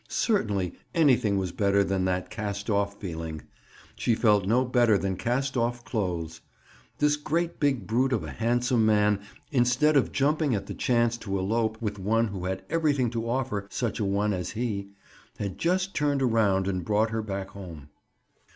Certainly anything was better than that cast off feeling. She felt no better than cast off clothes. This great big brute of a handsome man, instead of jumping at the chance to elope with one who had everything to offer such a one as he, had just turned around and brought her back home.